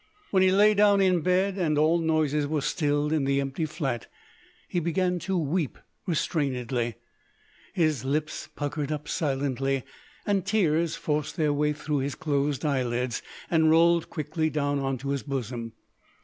When he lay down in bed, and all noises were stilled in the empty flat, he began to weep restrainedly. His lips puckered up silently, and tears forced their way through his closed eyelids, and rolled quickly down on to his bosom.